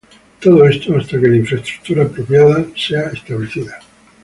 Todo esto hasta que la infraestructura apropiada sea establecida.